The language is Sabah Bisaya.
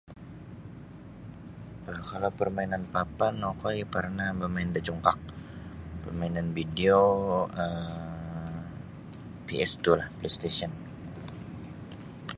Parkara' parmainan papan okoi parnah bamain da congkak parmainan video um PS twolah PS stesyen.